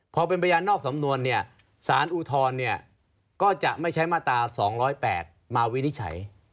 พอเป็นพยานนอกสำนวนเนี่ยสารอุทธรณ์ก็จะไม่ใช้มาตรา๒๐๘มาวินิจฉัย